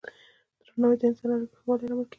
درناوی د انساني اړیکو ښه والي لامل کېږي.